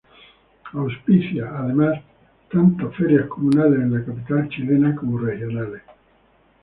Auspicia, además, tanto ferias comunales en la capital chilena como regionales.